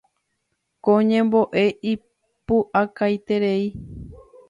Ko ñembo'e ipu'akaiterei.